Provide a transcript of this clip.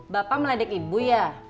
bapak meledek ibu ya